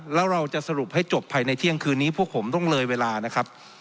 แล้วเราจะสรุปให้จบภายในเที่ยงคืนนี้พวกผมต้องเลยเวลานะครับ